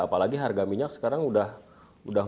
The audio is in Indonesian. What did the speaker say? apalagi harga minyak sekarang udah